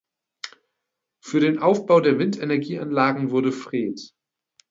Für den Aufbau der Windenergieanlagen wurde Fred.